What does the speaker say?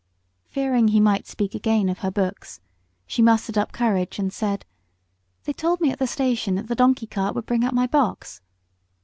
Fearing he might speak again of her books, she mustered up courage and said "They told me at the station that the donkey cart would bring up my box."